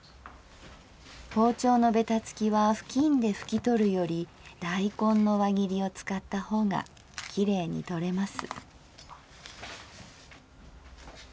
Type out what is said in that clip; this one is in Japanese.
包丁のべたつきはふきんでふきとるより大根の輪切りを使ったほうがきれいにとれます」。